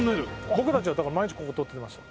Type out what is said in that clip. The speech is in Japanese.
僕たちはだから毎日ここ通ってました。